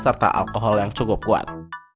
serta alkohol yang cukup kuat